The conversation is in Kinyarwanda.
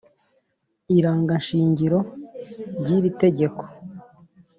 irangashingiro ry iri tegeko